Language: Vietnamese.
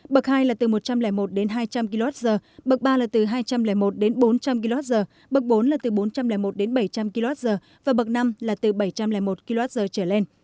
bậc hai là từ một trăm linh một đến hai trăm linh kwh bậc ba là từ hai trăm linh một đến bốn trăm linh kwh bậc bốn là từ bốn trăm linh một đến bảy trăm linh kwh và bậc năm là từ bảy trăm linh một kwh trở lên